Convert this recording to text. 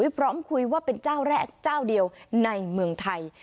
พร้อมคุยว่าเป็นเจ้าแรกเจ้าเดียวในเมืองไทย